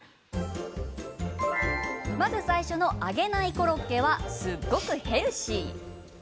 まず最初の揚げないコロッケはすっごくヘルシー。